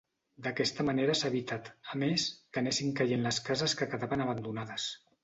D'aquesta manera s'ha evitat, a més, que anessin caient les cases que quedaven abandonades.